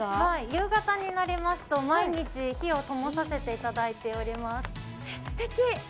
夕方になりますと、毎日火をともさせていただいております。